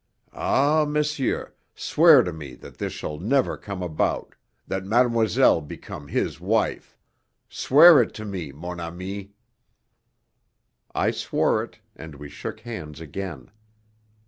Ah, monsieur, swear to me that this shall never come about, that mademoiselle become his wife. Swear it to me, mon ami!" I swore it, and we shook hands again.